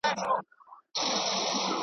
موږ به کله تر منزل پوري رسیږو.